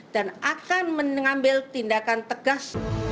akan mengambil tindakan tegas